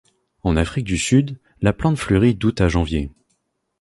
En Afrique du Sud, la plante fleurit d'août à janvier.